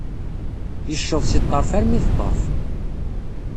Yecceḍ seg ḍḍerf armi d ḍḍerf.